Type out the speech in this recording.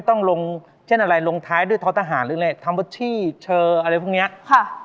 ต้องลงเช่นอะไรลงท้ายด้วยท้อทหารหรืออะไรอะไรพวกเนี้ยค่ะ